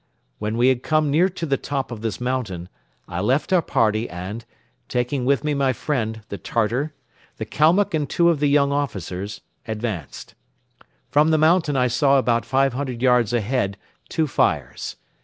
When we had come near to the top of this mountain, I left our party and, taking with me my friend, the Tartar, the Kalmuck and two of the young officers, advanced. From the mountain I saw about five hundred yards ahead two fires.